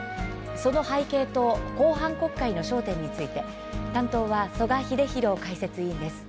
その背景と後半国会の焦点について担当は曽我英弘解説委員です。